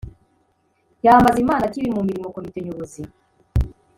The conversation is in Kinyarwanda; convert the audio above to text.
yambaza imana akiri mu mirimo komite nyobozi